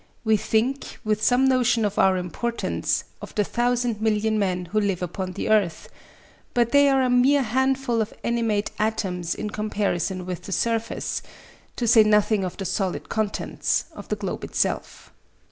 We think, with some notion of our importance, of the thousand million men who live upon the earth; but they are a mere handful of animate atoms in comparison with the surface, to say nothing of the solid contents, of the globe itself.